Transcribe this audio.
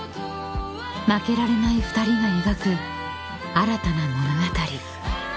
［負けられない２人が描く新たな物語］